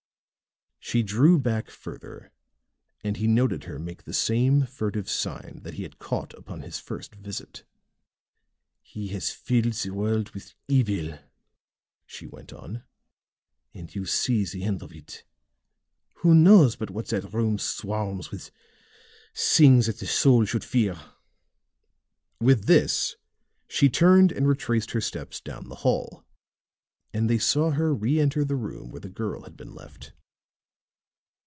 She drew back further, and he noted her make the same furtive sign that he had caught upon his first visit. "He has filled the world with evil," she went on, "and you see the end of it. Who knows but what that room swarms with things that the soul should fear?" With this she turned and retraced her steps down the hall, and they saw her reënter the room where the girl had been left.